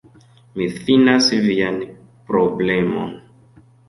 Mi finas vian problemon